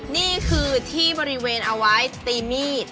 นี่คือที่บริเวณเอาไว้สตรีมีด